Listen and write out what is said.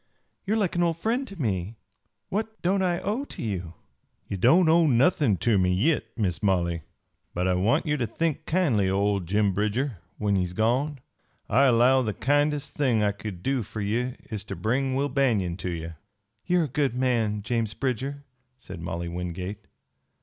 You are like an old friend to me. What don't I owe to you?" "Ye don't owe nothin' ter me yit, Miss Molly. But I want ye ter think kindly o' old Jim Bridger when he's gone. I allow the kindest thing I kin do fer ye is ter bring Will Banion ter ye." "You are a good man, James Bridger," said Molly Wingate.